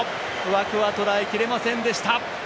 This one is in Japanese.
枠は、とらえきれませんでした。